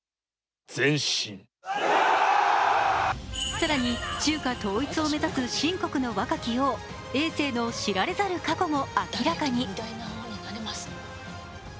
更に中華統一を目指す秦国の若き王、えい政の知られざる過去も明らかに。